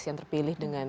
yang terpilih dengan